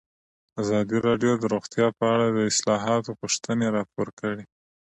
ازادي راډیو د روغتیا په اړه د اصلاحاتو غوښتنې راپور کړې.